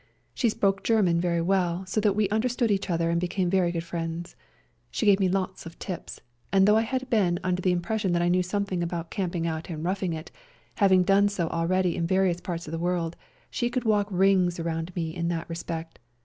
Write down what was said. She spoke German very well, so that we understood each other and became very good friends ; she gave me lots of tips, and though I had been under the im pression that I knew something about camping out and roughing it, having done so already in various parts of the world, she could walk rings round me in that respect.